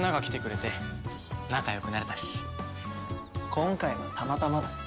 今回はたまたまだ。